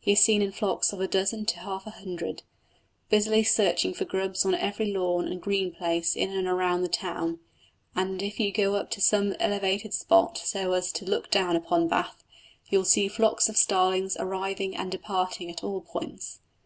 He is seen in flocks of a dozen to half a hundred, busily searching for grubs on every lawn and green place in and round the town, and if you go up to some elevated spot so as to look down upon Bath, you will see flocks of starlings arriving and departing at all points.